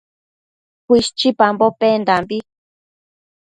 Cuishchipambo pendambi